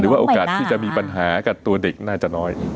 ว่าโอกาสที่จะมีปัญหากับตัวเด็กน่าจะน้อย